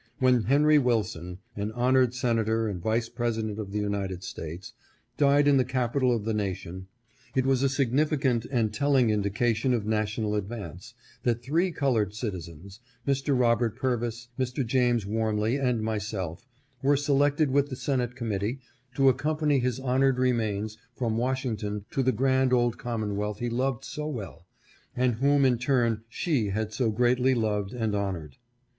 When Henry Wilson, an honored Senator and Vice President of the United States, died in the Capitol of the nation, it was a significant and telling indication of national advance, that three colored citizens, Mr. Robert Purvis, Mr. James Wormley and myself, were selected with the Senate Committee, to accompany his honored remains from Washington to the grand old commonwealth he loved so well, and whom in turn she had so greatly loved and honored.